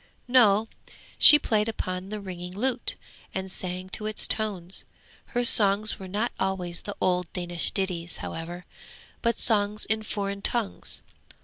No, she played upon the ringing lute, and sang to its tones. Her songs were not always the old Danish ditties, however, but songs in foreign tongues.